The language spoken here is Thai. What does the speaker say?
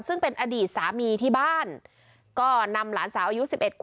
ซึ่งเป็นอดีตสามีที่บ้านก็นำหลานสาวอายุ๑๑ขวบ